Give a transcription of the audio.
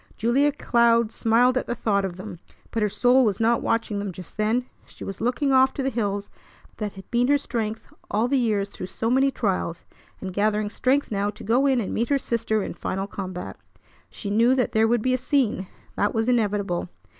Julia Cloud smiled at the thought of them, but her soul was not watching them just then. She was looking off to the hills that had been her strength all the years through so many trials, and gathering strength now to go in and meet her sister in final combat. She knew that there would be a scene; that was inevitable.